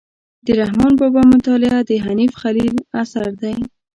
د رحمان بابا مطالعه د حنیف خلیل اثر دی.